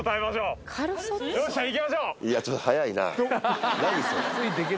いやちょっと早いな何それ？